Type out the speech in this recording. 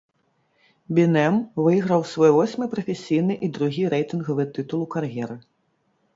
Бінэм выйграў свой восьмы прафесійны і другі рэйтынгавы тытул у кар'еры.